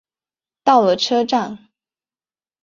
到了车站